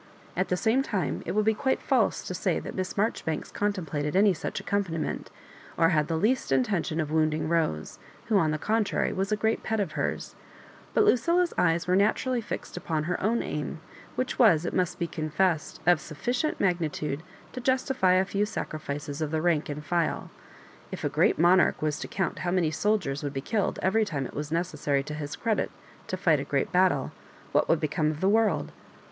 At the same time it would be quite false to say that Miss Marjori banks contemplated any such accompaniment, or had the least intention of wounding Rose, who, on the contrary, was a great pet of hers ; but Lucilla's eyes were naturally fixed upon her own aim, which was, it must be confessed, of sufficient magnitude to justify a few sacrifices of the rank and file. If a great monarch was to count how many soldiers would be killed every time it was necessary to his credit to fight a great battle, what would become of the world